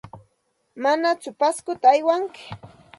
¿Manaku Pascota aywanki?